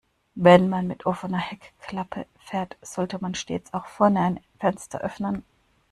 Wenn man mit offener Heckklappe fährt, sollte man stets auch vorne ein Fenster öffnen.